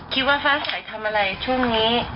ฟ้าใสทำอะไรช่วงนี้